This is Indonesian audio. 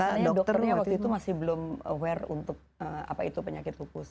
karena dokternya waktu itu masih belum aware untuk apa itu penyakit lupus